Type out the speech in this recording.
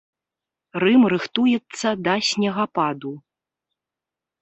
Рым рыхтуецца да снегападу.